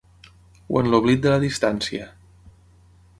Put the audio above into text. O en l’oblit de la distància?